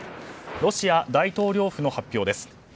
ロシア大統領府の発表です。